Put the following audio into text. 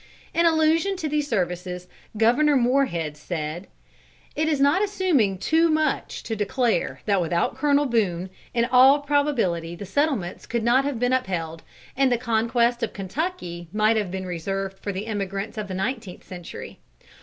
In allusion to these services Governor Moorehead said: "It is not assuming too much to declare, that without Colonel Boone, in all probability the settlements could not have been upheld; and the conquest of Kentucky might have been reserved for the emigrants of the nineteenth century."